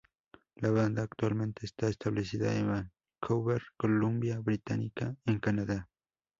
La banda actualmente está establecida en Vancouver, Columbia Británica, en Canadá.